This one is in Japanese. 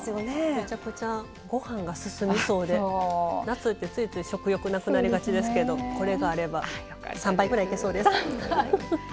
めちゃくちゃご飯が進みそうで夏って、ついつい食欲なくなりがちですがこれがあれば３杯くらいいけそうです。